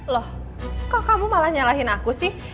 loh kok kamu malah nyalahin aku sih